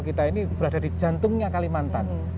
kita ini berada di jantungnya kalimantan